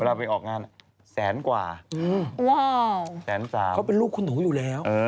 ไปออกงานแสนกว่าว้าวแสนสามเขาเป็นลูกคุณหนูอยู่แล้ว